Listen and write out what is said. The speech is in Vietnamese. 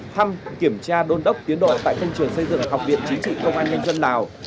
thăm kiểm tra đôn đốc tiến độ tại công trường xây dựng học viện chính trị công an nhân dân lào